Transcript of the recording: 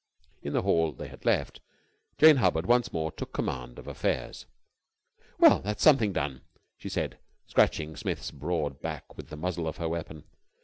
In the hall they had left, Jane Hubbard once more took command of affairs. "Well, that's something done," she said, scratching Smith's broad back with the muzzle of her weapon.